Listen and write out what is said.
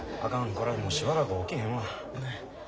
これはもうしばらく起きへんわ。